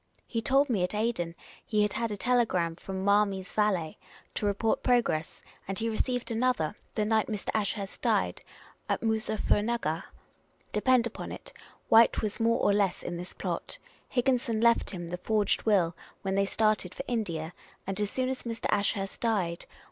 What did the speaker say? He told me at Aden he had had a telegram from ' Marmy's valet,' to report progress ; and he received another, the night Mr. Ashurst died, at Moozuffernuggar. Depend upon it. White was more or less in this plot ; Higginson left him the forged will when they started for India; and, as soon as Mr. Ashurst died.